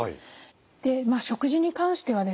で食事に関してはですね